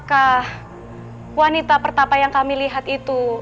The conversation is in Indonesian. apakah wanita pertama yang kami lihat itu